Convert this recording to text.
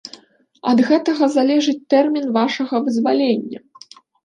Ад гэтага залежыць тэрмін вашага вызвалення.